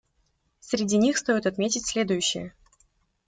Среди них стоит отметить следующие.